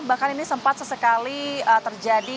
bahkan ini sempat sesekali terjadi